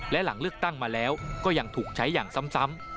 และหลังเลือกตั้งมาแล้วก็ยังถูกใช้อย่างซ้ำ